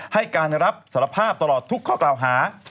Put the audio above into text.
ให้การรับสารภาพตลอดทุกข้อกล่าวหา